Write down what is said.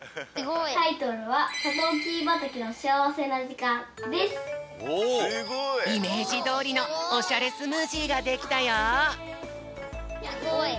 タイトルはイメージどおりのおしゃれスムージーができたよ。